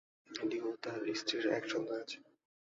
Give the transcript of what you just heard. লি ও তার স্ত্রীর এক সন্তান আছে।